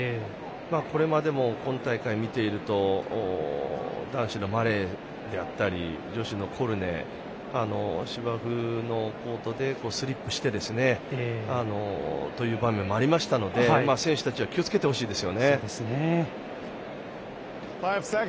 これまでも今大会を見ていると男子のマレーであったり女子のコルネが、芝生のコートでスリップする場面もありましたので選手たちは気をつけてほしいです。